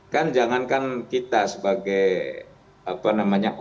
kan jangankan kita sebagai apa namanya